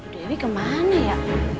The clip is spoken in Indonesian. dewi kemana ya